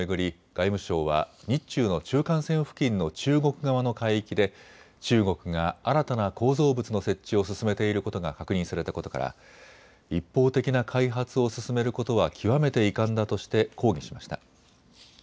外務省は日中の中間線付近の中国側の海域で中国が新たな構造物の設置を進めていることが確認されたことから一方的な開発を進めることは極めて遺憾だとして抗議しました。